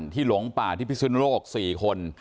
หลงป่าที่พิสุนโลก๔คน